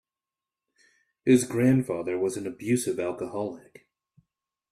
His grandfather was an abusive alcoholic.